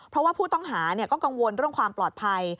เพราะว่าผู้ต้องหาก็กังวลเรื่องความปลอดภัย